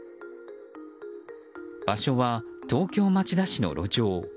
場所は東京・町田市の路上。